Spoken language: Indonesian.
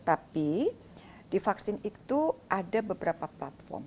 tapi di vaksin itu ada beberapa platform